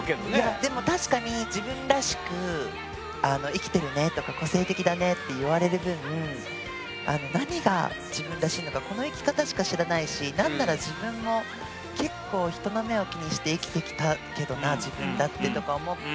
でも確かに「自分らしく生きてるね」とか「個性的だね」って言われる分何が自分らしいのかこの生き方しか知らないし何なら自分も結構けどな自分だってとか思って。